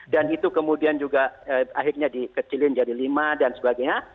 dan itu kemudian juga akhirnya dikecilin jadi lima dan sebagainya